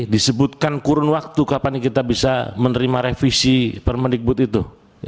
disebutkan kurun waktu kapan kita bisa menerima revisi permendikbud itu